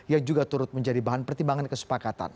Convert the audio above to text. yang juga turut menjadi bahan pertimbangan kesepakatan